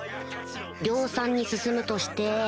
量産に進むとして